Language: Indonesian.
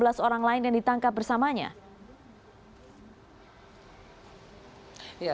siapa yang lain yang ditangkap bersamanya